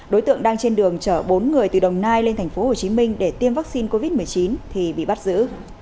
đối tượng đang trên đường chở bốn người từ đồng nai lên tp hcm để tiêm vaccine covid một mươi chín thì bị bắt giữ